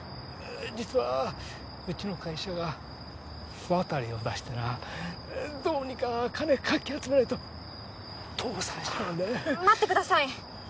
実はうちの会社が不渡りを出してなどうにか金かき集めないと倒産しちまうんだわ待ってください